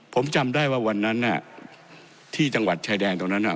ผมจำได้ว่าวันนั้นที่จังหวัดชายแดนตรงนั้น